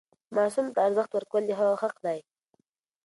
ماسوم ته ارزښت ورکول د هغه حق دی.